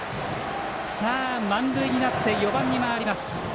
満塁になって４番に回ります。